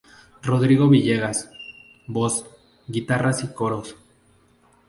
Rodrigo Villegas: Voz, guitarras y coros.